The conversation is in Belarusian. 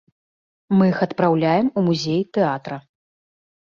Мы іх адпраўляем у музей тэатра.